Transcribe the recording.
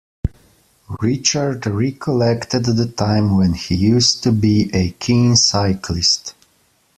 Richard recollected the time when he used to be a keen cyclist.